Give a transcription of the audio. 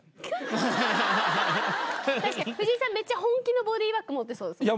確かに藤井さんめっちゃ本気のボディーバッグ持ってそうですもんね。